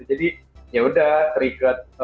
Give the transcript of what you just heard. jadi ya sudah terikat